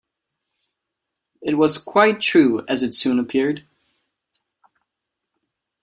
It was quite true, as it soon appeared.